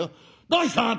『どうした！？